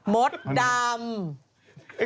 มดดำ